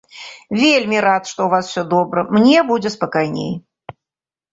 Вельмі рад, што ў вас усё добра, мне будзе спакайней.